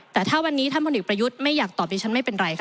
แต่ถ้าวันนี้ท่านพลเอกประยุทธ์ไม่อยากตอบดิฉันไม่เป็นไรค่ะ